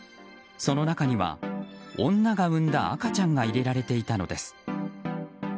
その中には、女が産んだ赤ちゃんが入れられていたのです。